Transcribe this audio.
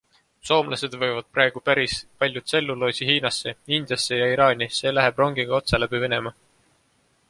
Soomlased veavad praegu päris palju tselluloosi Hiinasse, Indiasse ja Iraani, see läheb rongiga otse läbi Venemaa.